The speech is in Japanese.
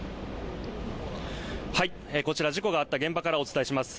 こちら事故があった現場からお伝えします